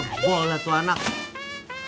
kebol lah tuh anak